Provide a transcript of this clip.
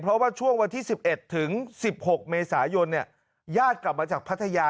เพราะว่าช่วงวันที่๑๑ถึง๑๖เมษายนญาติกลับมาจากพัทยา